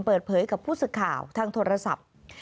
เปิดเผยกับผู้สื่อข่าวทางโทรศัพท์